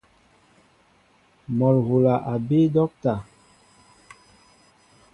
Mol hula a bii docta.